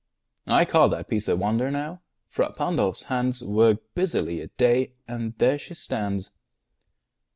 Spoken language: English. I call That piece a wonder, now: Fra Pandolf's hands Worked busily a day, and there she stands.